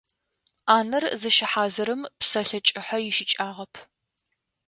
Ӏанэр зыщыхьазырым псэлъэ кӏыхьэ ищыкӏагъэп.